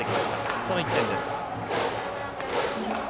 その１点です。